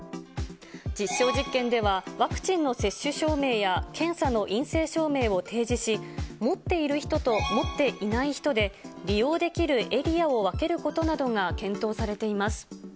実証実験では、ワクチンの接種証明や検査の陰性証明を提示し、持っている人と持っていない人で、利用できるエリアを分けることなどが検討されています。